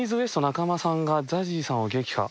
中間さんがＺＡＺＹさんを撃破。